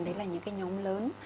đấy là những cái nhóm lớn